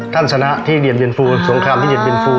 ท่านชนะที่เรียนบินฟูสงครามที่เรียนบินฟู